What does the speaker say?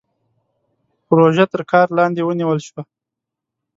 پروژه تر کار لاندې ونيول شوه.